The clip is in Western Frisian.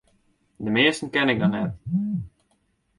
De measten ken ik noch net.